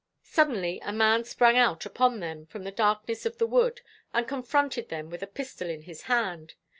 Suddenly a man sprang out upon them from the darkness of the wood, and confronted them with a pistol in his hand.